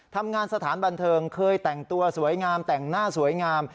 สถานบันเทิงเคยแต่งตัวสวยงามแต่งหน้าสวยงาม